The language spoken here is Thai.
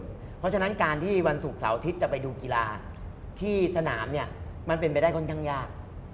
เพราะฉะนั้นการที่วันศุกร์เสาร์อาทิตย์จะไปดูกีฬาที่สนามเนี่ยมันเป็นไปได้ค่อนข้างยาก